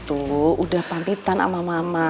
tunggu udah pamitan sama mama